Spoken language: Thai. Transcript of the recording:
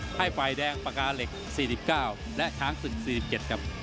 ให้ฝ่ายแดงปากกาเหล็ก๔๙และช้างศึก๔๗ครับ